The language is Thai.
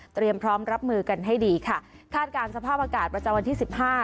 พร้อมรับมือกันให้ดีค่ะคาดการณ์สภาพอากาศประจำวันที่สิบห้า